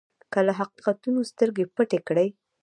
که له حقیقتونو سترګې پټې کړئ.